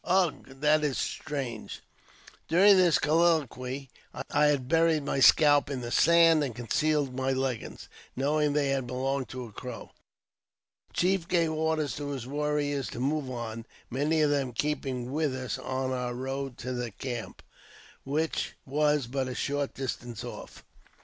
" Ugh ! that is strange." During this colloquy I had buried my scalp in the sand, and concealed my leggings, knowing they had belonged to a CroW. The chief gave orders to his warriors to move on, many of them keeping with us on our road to their camp, which was but a short distance off.